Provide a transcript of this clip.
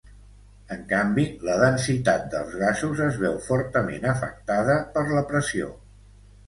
En canvi, la densitat dels gasos es veu fortament afectada per la pressió.